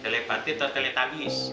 telepati itu teletabis